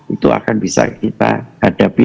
itu akan bisa kita hadapi